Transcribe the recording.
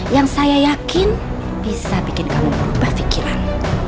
yang saya yakin bisa bikin kamu berubah pikiran